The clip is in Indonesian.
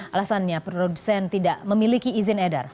alasannya produsen tidak memiliki izin edar